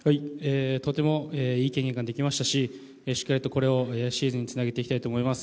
とてもいい経験ができましたししっかりとこれをシーズンにつなげていきたいと思います。